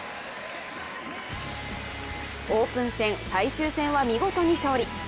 オープン戦、最終戦は見事に勝利。